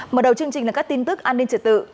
mở đầu chương trình là các tin tức an ninh trật tự